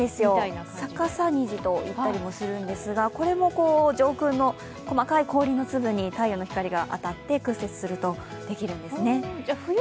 逆さ虹と言ったりもするんですがこれも上空の細かい氷の粒に太陽の光が当たって屈折するとできるんですね。